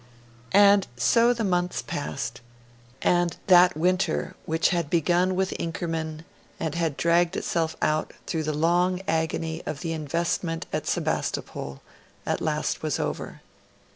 And so the months passed, and that fell winter which had begun with Inkerman and had dragged itself out through the long agony of the investment of Sebastopol, at last was over.